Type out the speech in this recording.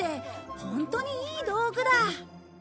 ホントにいい道具だ！